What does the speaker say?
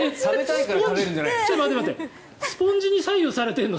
スポンジに左右されてるの？